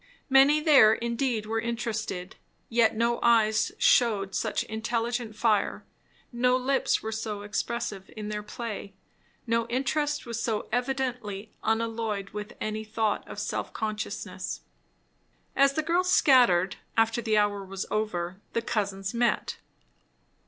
Many there indeed were interested; yet no eyes shewed such intelligent fire, no lips were so expressive in their play, no interest was so evidently unalloyed with any thought of self consciousness. As the girls scattered, after the hour was over, the cousins met.